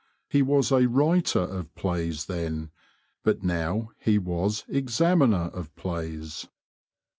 He was a writer of plays then, but now he was Examiner of Plays."